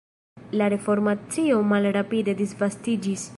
La reformacio malrapide disvastiĝis.